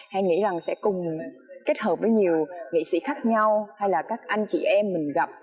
hay nghĩ rằng sẽ cùng kết hợp với nhiều nghệ sĩ khác nhau hay là các anh chị em mình gặp